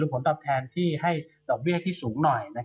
ผลตอบแทนที่ให้ดอกเบี้ยที่สูงหน่อย